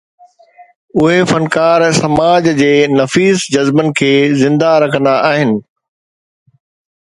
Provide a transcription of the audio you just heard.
اهي فنڪار سماج جي نفيس جذبن کي زنده رکندا آهن.